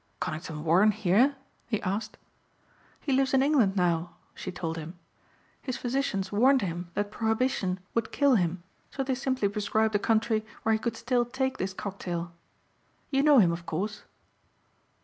"Conington Warren here?" he asked. "He lives in England now," she told him, "his physicians warned him that prohibition would kill him so they simply prescribed a country where he could still take this cocktail. You know him of course?"